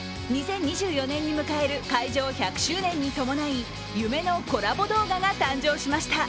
２０２４年に迎える開場１００周年に伴い夢のコラボ動画が誕生しました。